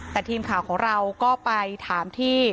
แต่ทีมข่าวของเราก็ไปถามที่